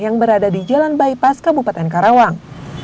yang berada di jalan bypass kabupaten karawang